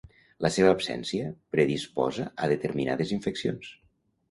La seva absència predisposa a determinades infeccions.